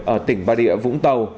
ở tỉnh bà địa vũng tàu